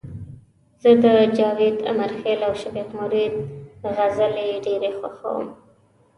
زه د جاوید امرخیل او شفیق مرید غزلي ډيري خوښوم